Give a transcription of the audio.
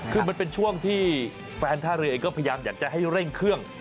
คือมันเป็นช่วงที่แฟนท่าเรือเองก็พยายามอยากจะให้เร่งเครื่อง